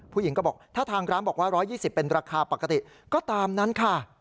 ผู้หญิงก็บอกถ้าทางร้านบอกว่า๑๒๐เป็นราคาปกติก็ตามนั้นค่ะ